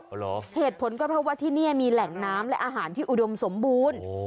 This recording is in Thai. เหรอเหตุผลก็เพราะว่าที่นี่มีแหล่งน้ำและอาหารที่อุดมสมบูรณ์